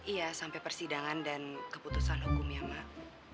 iya sampai persidangan dan keputusan hukumnya mak